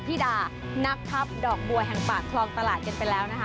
พี่ดานักทัพดอกบัวแห่งปากคลองตลาดจริง